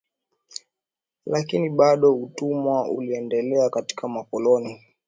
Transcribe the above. Lakini bado utumwa uliendelea katika makoloni